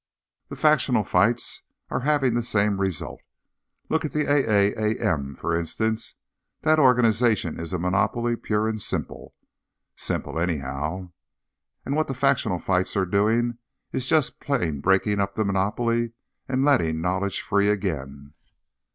_ _The factional fights are having the same result. Look at the AAAM, for instance. That organization is a monopoly, pure and simple. Simple, anyhow. And what the factional fights are doing to it is just breaking up the monopoly and letting knowledge free again.